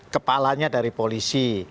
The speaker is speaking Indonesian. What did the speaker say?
kepalanya dari polisi